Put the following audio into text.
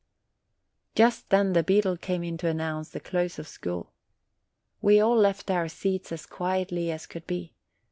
Just then the beadle came in to announce the close of school. We all left our seats as quietly as could be.